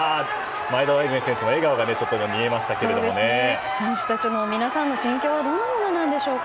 前田大然選手の笑顔も選手たち、皆さんの心境はどうなんでしょうか。